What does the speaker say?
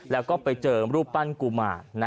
แล้วก็ไปเจอรูปปั้นกุมาร